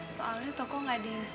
soalnya toko gak di